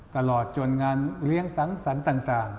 ตลอดจนงานเลี้ยงสังสรรค์ต่าง